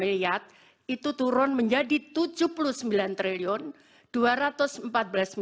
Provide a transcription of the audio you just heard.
rp dua ratus tujuh puluh lima itu turun menjadi rp tujuh puluh sembilan dua ratus empat belas delapan puluh tiga empat ratus enam puluh empat